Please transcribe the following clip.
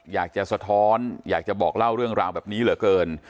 สะท้อนอยากจะบอกเล่าเรื่องราวแบบนี้เหลือเกิน